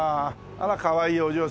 あらかわいいお嬢さん。